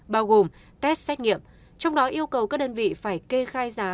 bao gồm test xét nghiệm trong đó yêu cầu các đơn vị phải kê khai giá